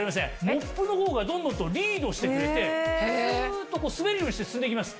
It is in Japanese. モップの方がドンドンとリードしてくれてスっと滑るようにして進んでいきます。